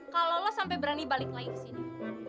kalo lo sampe berani balik lagi kesini